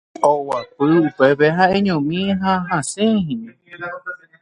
Oguapy upépe ha'eñomi ha hasẽhína.